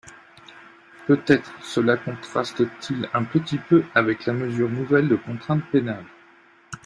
Peut-être cela contraste-t-il un petit peu avec la mesure nouvelle de contrainte pénale.